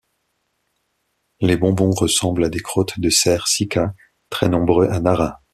Les bonbons ressemblent à des crottes de cerf Sika, très nombreux à Nara.